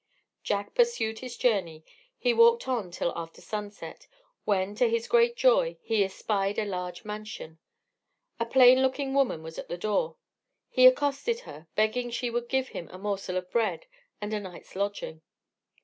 Jack pursued his journey. He walked on till after sunset, when to his great joy, he espied a large mansion. A plain looking woman was at the door: he accosted her, begging she would give him a morsel of bread and a night's lodging.